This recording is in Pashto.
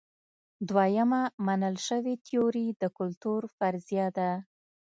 دویمه منل شوې تیوري د کلتور فرضیه ده.